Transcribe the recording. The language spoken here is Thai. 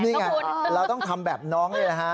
เนี่ยเราต้องทำแบบน้องแหละฮะ